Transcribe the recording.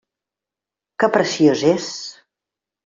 Que preciós és!